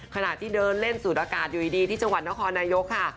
ขณะที่เดินเล่นสูดอากาศอยู่ดีที่จังหวัดนครนายกค่ะ